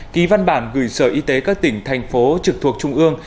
ký văn bản gửi sở y tế các tỉnh thành phố trực thuộc trung ương